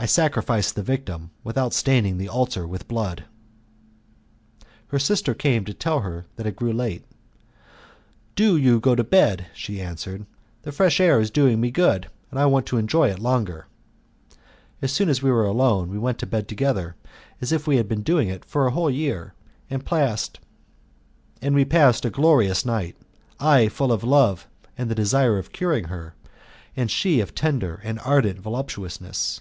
I sacrificed the victim without staining the altar with blood. Her sister came to tell her that it grew late. "Do you go to bed," she answered; "the fresh air is doing me good, and I want to enjoy it a little longer." As soon as we were alone we went to bed together as if we had been doing it for a whole year, and we passed a glorious night, I full of love and the desire of curing her, and she of tender and ardent voluptuousness.